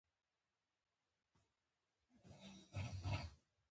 دوی د پیرو او مرکزي امریکا اوسېدونکو په پرتله لس چنده دي.